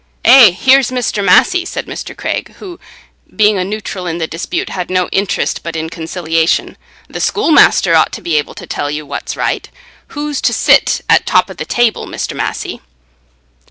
"Eh, here's Mester Massey," said Mr. Craig, who, being a neutral in the dispute, had no interest but in conciliation; "the schoolmaster ought to be able to tell you what's right. Who's to sit at top o' the table, Mr. Massey?"